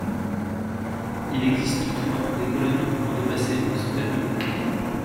Il existe toutefois des colonies pouvant dépasser une centaine de plants.